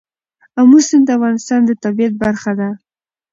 آمو سیند د افغانستان د طبیعت برخه ده.